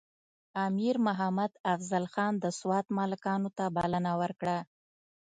امیر محمد افضل خان د سوات ملکانو ته بلنه ورکړه.